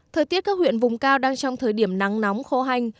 thời tiết các huyện vùng cao đang trong thời điểm nắng nóng khô hành